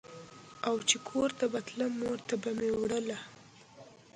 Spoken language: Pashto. او چې کور ته به تلم مور ته به مې وړله.